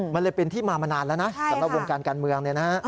มันเลยเป็นที่มามานานแล้วนะสำหรับวงการการเมืองเนี่ยนะฮะ